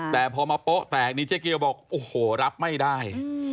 แต่พอมาโป๊ะแตกนี้เจ๊เกียวบอกโอ้โหรับไม่ได้